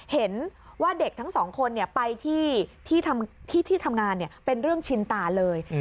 เห็นว่าเด็กทั้งสองคนไปที่ทำงานเป็นเรื่องชินตาเลย